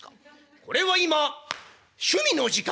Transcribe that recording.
「これは今趣味の時間」。